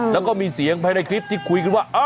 แล้วก็มีเสียงภายในคลิปที่คุยกันว่า